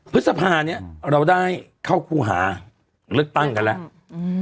เพื่อสะพานี้เราได้เข้าครูหาเลือกตั้งกันแล้วอืม